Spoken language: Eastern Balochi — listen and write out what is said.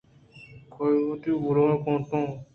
کہ اے وتی بلاہیں کانٹاں